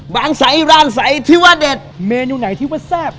บางสายร้านสายที่ว่าเด็ดเมนูไหนที่ว่าแซ่บ